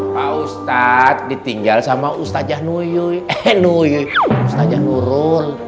pak ustadz ditinggal sama ustadz jah nuyuy eh nuyuy ustadz jah nurul